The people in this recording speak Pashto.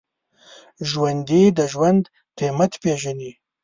ژوندي د ژوند قېمت پېژني